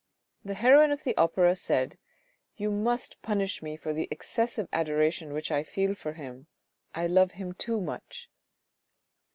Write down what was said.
The heroine of the opera said "You must THE OPERA BOUFFE 365 punish me for the excessive adoration which I feel for him. I love him too much."